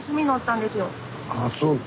あそうか。